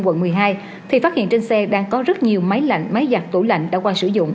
quận một mươi hai thì phát hiện trên xe đang có rất nhiều máy lạnh máy giặt tủ lạnh đã qua sử dụng